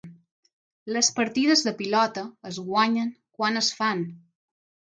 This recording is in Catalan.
Les partides de pilota es guanyen quan es fan.